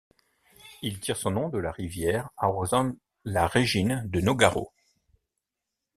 Il tire son nom de la rivière arrosant la régine de Nogaro.